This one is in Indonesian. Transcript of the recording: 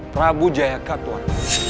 prabu jayaka tuan